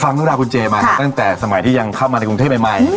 ฟังภูมิคุณเจมาตั้งแต่ตอนสมัยที่เข้ามากายกรุงเทพใหม่